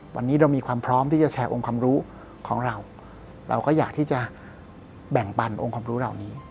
วันนี้เรามีความพร้อมที่จะแชร์องค์ความรู้ของเราเราก็อยากที่จะแบ่งปันองค์ความรู้เหล่านี้